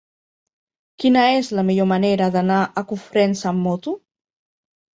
Quina és la millor manera d'anar a Cofrents amb moto?